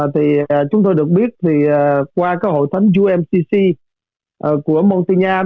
thì chúng tôi được biết thì qua cái hội thánh umcc của môn tây nha